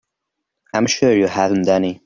I'm sure you haven't any.